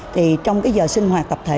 thì trong cái giờ sinh hoạt tập thể